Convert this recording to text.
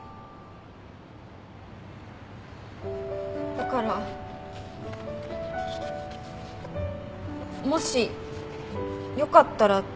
だからもしよかったらだけど。